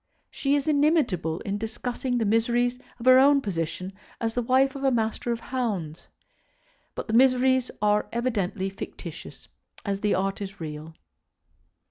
She is inimitable in discussing the miseries of her own position as the wife of a Master of Hounds; but the miseries are as evidently fictitious as the art is real.